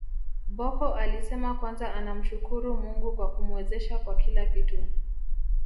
Bocco alisema kwanza anamshukuru Mungu kwa kumwezesha kwa kila kitu